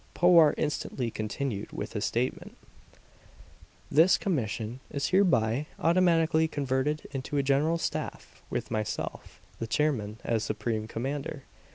Powart instantly continued with his statement: "This commission is hereby automatically converted into a general staff, with myself, the chairman, as supreme commander.